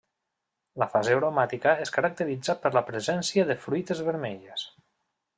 La fase aromàtica es caracteritza per la presència de fruites vermelles.